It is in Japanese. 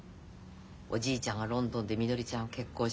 おじいちゃんがロンドンでみのりちゃんは結婚して。